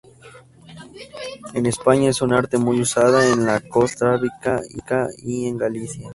En España es un arte muy usada en la costa cantábrica y en Galicia.